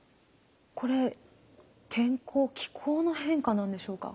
これ天候気候の変化なんでしょうか？